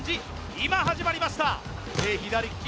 今始まりました左利き